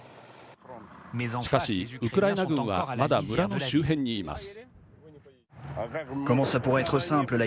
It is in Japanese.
しかし、ウクライナ軍はまだ村の周辺にいます。